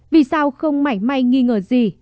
vì sao không mảnh may nghi ngờ gì